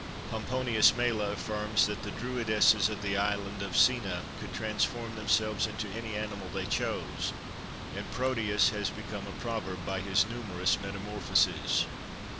Pomponius Mela affirms that the druidesses of the island of Sena could transform themselves into any animal they chose, and Proteus has become a proverb by his numerous metamorphoses.